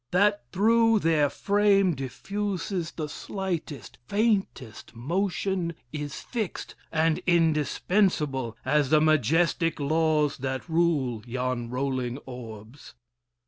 That through their frame diffuses The slightest, faintest motion, Is fixed and indispensable As the majestic laws That rule yon rolling orbs.